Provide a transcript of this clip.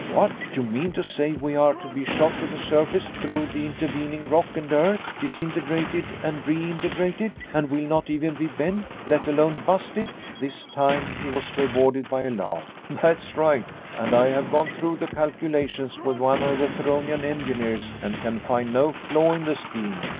"What? You mean to say we are to be shot to the surface through the intervening rock and earth? Disintegrated and reintegrated? And we'll not even be bent, let alone busted?" This time he was rewarded by a laugh. "That's right. And I have gone through the calculations with one of the Theronian engineers and can find no flaw in the scheme.